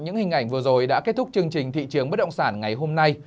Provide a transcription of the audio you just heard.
những hình ảnh vừa rồi đã kết thúc chương trình thị trường bất động sản ngày hôm nay